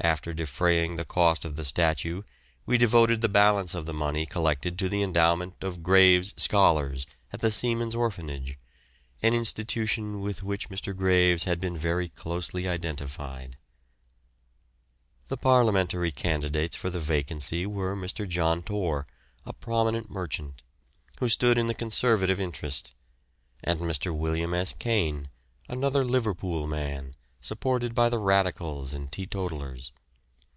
After defraying the cost of the statue we devoted the balance of the money collected to the endowment of "Graves" scholars at the Seamen's Orphanage, an institution with which Mr. Graves had been very closely identified. The parliamentary candidates for the vacancy were Mr. John Torr, a prominent merchant, who stood in the Conservative interest, and Mr. William S. Caine, another Liverpool man, supported by the Radicals and teetotalers.